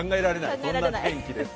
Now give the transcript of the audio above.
そんな天気です。